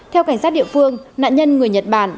theo cảnh sát địa phương nạn nhân người nhật bản